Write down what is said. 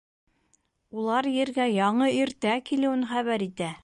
Улар ергә яңы иртә килеүен хәбәр итә.